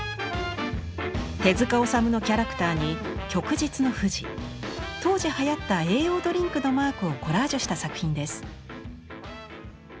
手治虫のキャラクターに旭日の富士当時はやった栄養ドリンクのマークをコラージュした作品です。